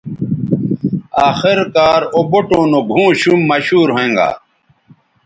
آخر کار او بوٹوں نو گھؤں شُم مشہور ھوینگا